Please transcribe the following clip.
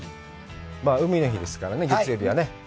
海の日ですからね、月曜日はね。